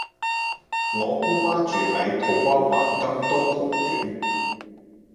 我姑媽住喺土瓜灣金都豪苑